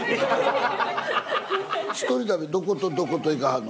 一人旅どことどこと行かはんの？